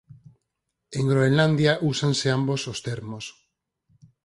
En Groenlandia úsanse ambos os termos.